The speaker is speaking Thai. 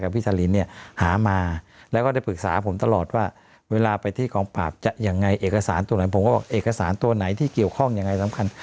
พวกเอกสารตัวไหนที่เกี่ยวข้องอย่างไรสำคัญ